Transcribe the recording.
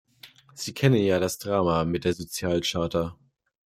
Sie kennen ja das Drama mit der Sozialcharta.